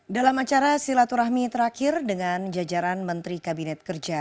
dalam acara silaturahmi terakhir dengan jajaran menteri kabinet kerja